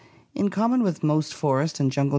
— In common with most forest and jungle